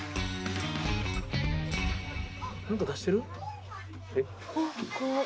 何か出してる？